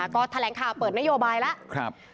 ก็แถลงข่าวเปิดนโยบายแล้ว